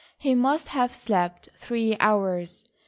He must have slept three hours.